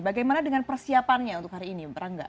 bagaimana dengan persiapannya untuk hari ini berangga